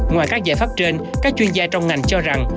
ngoài các giải pháp trên các chuyên gia trong ngành cho rằng